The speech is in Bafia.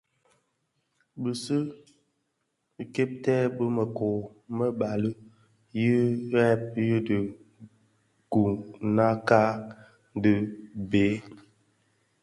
I bisi kèbtè bi mëkoo më bali yi bheg yidhi guňakka di bë.